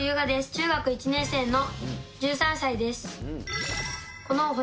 中学１年生の１３歳です。